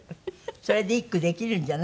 それで１句できるんじゃない？